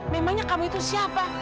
memangnya kamu itu siapa